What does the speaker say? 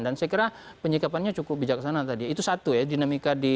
dan saya kira penyikapannya cukup bijaksana tadi itu satu ya dinamika di